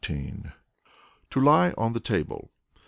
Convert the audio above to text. To Lie on the Table.